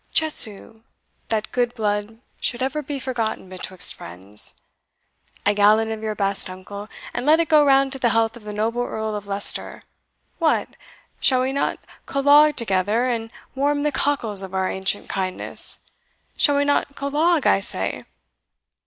Chesu! that good blood should ever be forgotten betwixt friends! A gallon of your best, uncle, and let it go round to the health of the noble Earl of Leicester! What! shall we not collogue together, and warm the cockles of our ancient kindness? shall we not collogue, I say?"